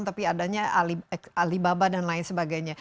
tapi adanya alibaba dan lain sebagainya